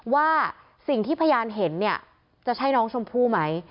ว่าสิ่งที่พยานเห็นเนี่ยจะใช่น้องชมพู่ไหม